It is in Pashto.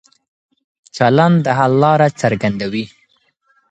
چلن د حل لاره څرګندوي.